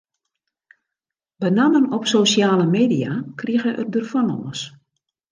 Benammen op sosjale media kriget er der fan lâns.